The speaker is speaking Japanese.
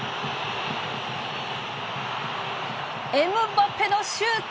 エムバペのシュート！